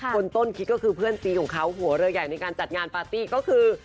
คนต้นคิดก็คือเพื่อนซีของเขาหัวเรือใหญ่ในการจัดงานปาร์ตี้ก็คือ